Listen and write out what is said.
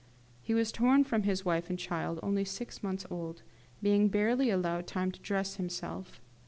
He was torn from his wife and his child, only six months old, being barely allowed time to dress himself.